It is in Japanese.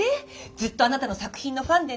ずっとあなたの作品のファンでね